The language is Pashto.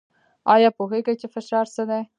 ایا پوهیږئ چې فشار څه دی؟